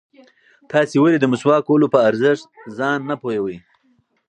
تاسې ولې د مسواک وهلو په ارزښت ځان نه پوهوئ؟